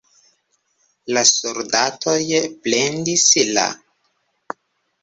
La soldatoj plendis La.